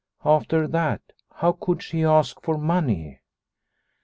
After that, how could she ask for money